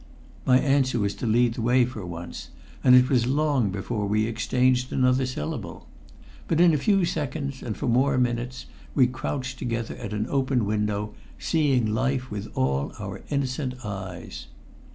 My answer was to lead the way for once, and it was long before we exchanged another syllable. But in a few seconds, and for more minutes, we crouched together at an open window, seeing life with all our innocent eyes.